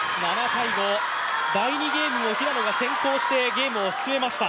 第２ゲームも平野が先行してゲームを進めました。